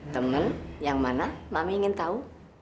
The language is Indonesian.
teman yang mana mami ingin tahu